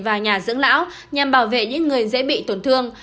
và nhà dưỡng lão nhằm bảo vệ những người dễ bị tổn thương